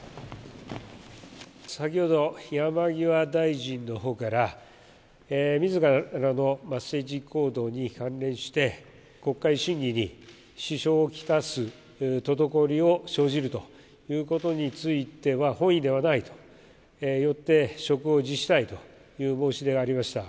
先ほど、山際大臣のほうから、みずからの政治行動に関連して、国会審議に支障を来す滞りを生じるということについては本意ではないと、よって職を辞したいという申し出がありました。